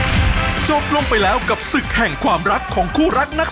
และแน่นอนนะครับเราจะกลับมาสรุปกันต่อนะครับกับรายการสุขที่รักของเรานะครับ